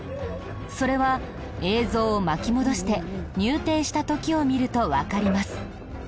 それは映像を巻き戻して入店した時を見るとわかります。